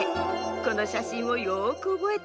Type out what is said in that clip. このしゃしんをよくおぼえて。